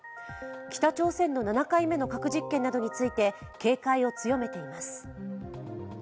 北朝鮮の７回目の核実験などについて警戒を強めています。